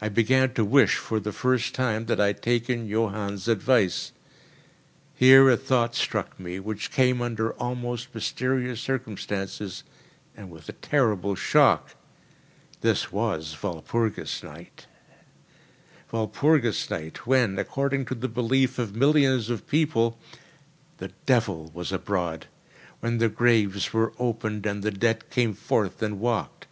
I began to wish, for the first time, that I had taken Johann's advice. Here a thought struck me, which came under almost mysterious circumstances and with a terrible shock. This was Walpurgis Night! Walpurgis Night, when, according to the belief of millions of people, the devil was abroad—when the graves were opened and the dead came forth and walked.